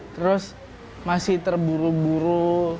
terus masih terburu buru